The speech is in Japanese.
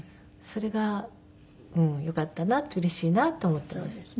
それがよかったなうれしいなと思ってます。